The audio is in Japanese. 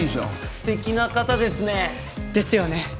素敵な方ですね。ですよね。